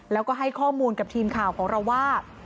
แล้วก็ให้ข้อมูลกับทีมข่าวของเราว่า